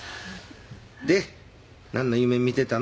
でなんの夢見てたの？